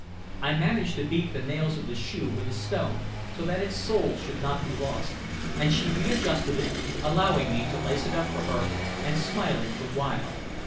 I managed to beat the nails of the shoe with a stone, so that its sole should not be lost, and she readjusted it, allowing me to lace it up for her and smiling the while.